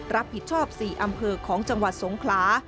รับผิดชอบ๔อำเภอของจังหวัดสงขลา